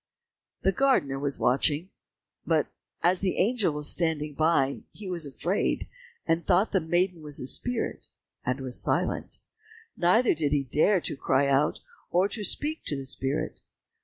The gardener was watching; but as the angel was standing by, he was afraid and thought the maiden was a spirit, and was silent, neither did he dare to cry out, or to speak to the spirit.